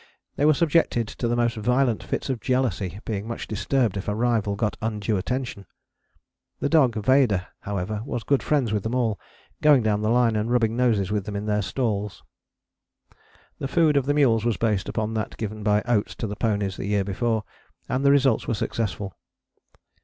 They were subject to the most violent fits of jealousy, being much disturbed if a rival got undue attention. The dog Vaida, however, was good friends with them all, going down the line and rubbing noses with them in their stalls. The food of the mules was based upon that given by Oates to the ponies the year before, and the results were successful.